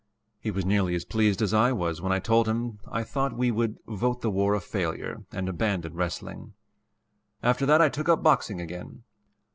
He was nearly as pleased as I was when I told him I thought we would "vote the war a failure" and abandon wrestling. After that I took up boxing again.